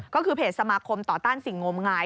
ก็คือเพจสมาคมต่อต้านสิ่งงมงาย